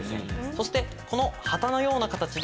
そしてこの旗のような形で。